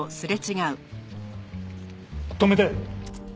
止めて！